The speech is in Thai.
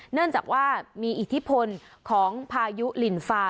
เนื่องจากว่ามีอิทธิพลของพายุลินฟา